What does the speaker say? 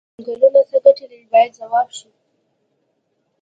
څنګلونه څه ګټې لري باید ځواب شي.